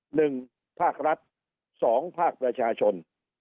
หนึ่งภาครัฐสองภาคประชาชน